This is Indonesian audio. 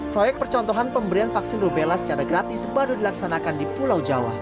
proyek percontohan pemberian vaksin rubella secara gratis baru dilaksanakan di pulau jawa